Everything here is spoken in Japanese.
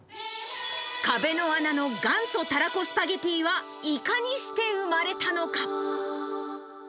壁の穴の元祖たらこスパゲティはいかにして生まれたのか。